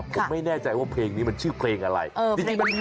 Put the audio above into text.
ผมไม่แน่ใจว่าเพลงนี้มันชื่อเพลงอะไร